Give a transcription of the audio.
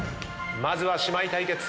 まずは姉妹対決。